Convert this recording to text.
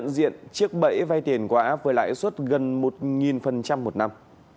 diện chiếc bẫy vay tiền qua với lãi suất gần một một năm